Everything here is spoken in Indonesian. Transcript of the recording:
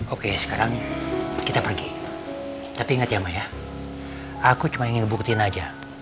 oke sekarang kita pergi tapi ingat ya ma ya aku cuma ingin ngebuketin aja